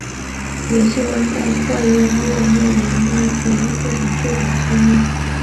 也是温带阔叶落叶林的主要构成树种之一。